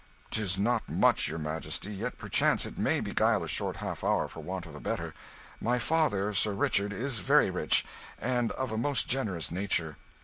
"'Tis not much, your Majesty, yet perchance it may beguile a short half hour for want of a better. My father, Sir Richard, is very rich, and of a most generous nature.